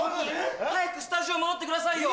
早くスタジオ戻ってくださいよ。